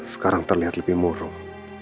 sekarang terlihat lebih murung